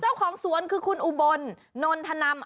เจ้าของสวนคือคุณอุบลนนทนำ